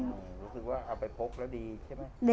รู้สึกว่าเอาไปพกแล้วดีใช่ไหม